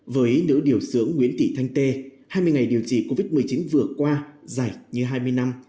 với nữ điều sướng nguyễn thị thanh tê hai mươi ngày điều trị covid một mươi chín vừa qua dài như hai mươi năm